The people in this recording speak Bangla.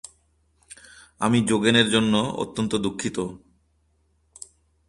আমি যোগেনের জন্য অত্যন্ত দুঃখিত।